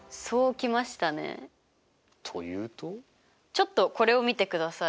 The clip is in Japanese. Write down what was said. ちょっとこれを見てください。